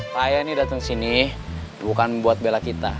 saya ini datang sini bukan buat bela kita